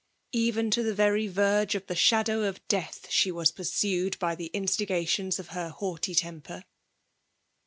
Even to the very verge of the shadow of death, she was pursued by the instigations of her haughty temper!